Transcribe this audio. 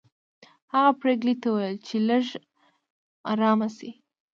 هغه پريګلې ته وویل چې لږه ارامه شي